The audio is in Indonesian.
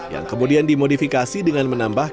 yang kemudian dimodifikasi dengan menambah